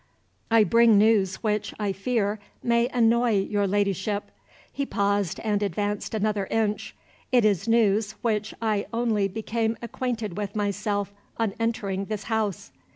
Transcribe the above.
"I bring news which, I fear, may annoy your Ladyship." He paused, and advanced another inch. "It is news which I only became acquainted with myself on entering this house."